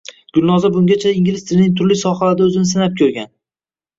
Gulnoza bungacha ingliz tilining turli sohalarida o‘zini sinab ko‘rgan.